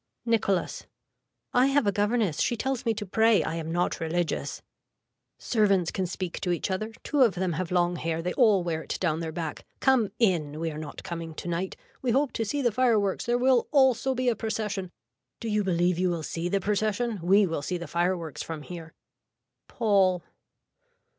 (Nicholas.) I have a governess. She tells me to pray. I am not religious. Servants can speak to each other. Two of them have long hair. They all wear it down their back. Come in. We are not coming tonight. We hope to see the fire works. There will also be a procession. Do you believe you will see the procession. We will see the fire works from here. (Paul.)